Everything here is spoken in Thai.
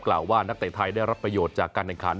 กล่าวว่านักเตะไทยได้รับประโยชน์จากการแข่งขัน